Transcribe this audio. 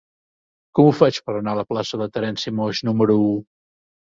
Com ho faig per anar a la plaça de Terenci Moix número u?